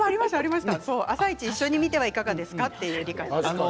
「あさイチ」一緒に見てはいかがですか？という意見もありました。